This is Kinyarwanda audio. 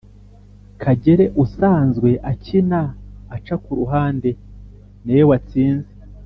Kagere usanzwe akina aca ku ruhande niwe watsinze